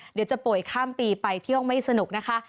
เดี๋ยวจะป่วยข้ามปีไปเที่ยวไม่สนุกนะคะ